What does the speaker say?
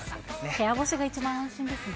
部屋干しが一番安心ですね。